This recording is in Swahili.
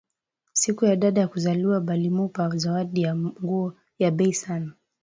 Siku ya dada ya kuzaliwa balimupa zawadi ya nguo ya bei sana